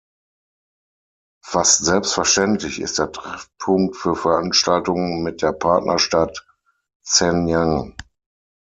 Fast selbstverständlich ist er Treffpunkt für Veranstaltungen mit der Partnerstadt Zhenjiang.